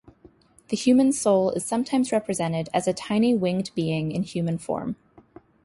The human soul is sometimes represented as a tiny winged being in human form.